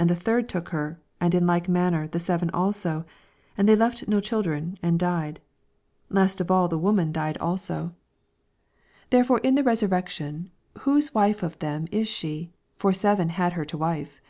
81 And the third took her ; and id like manner the seven also : and they left no children, and died. 32 Last of all tha woman died also LUKE, CHAP, XX. 837 88 Therefore in the resurrection whose wife of them is she ? for seven had her to wife.